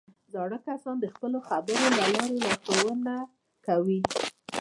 زاړه کسان د خپلو خبرو له لارې لارښوونه کوي